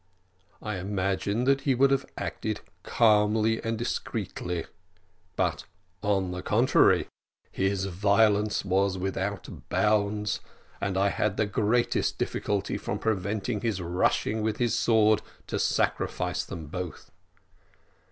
I imagined that he would have acted calmly and discreetly; but, on the contrary, his violence was without bounds, and I had the greatest difficulty from preventing his rushing with his sword to sacrifice them both.